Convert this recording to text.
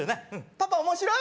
パパ面白い？